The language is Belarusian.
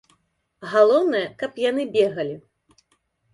Галоўнае, каб яны бегалі.